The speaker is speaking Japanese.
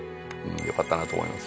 よかったなと思います。